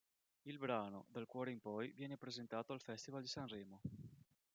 Il brano "Dal cuore in poi" viene presentato al Festival di Sanremo.